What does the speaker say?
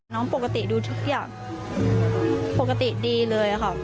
ปกติดูทุกอย่างปกติดีเลยค่ะ